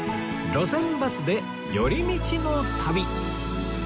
『路線バスで寄り道の旅』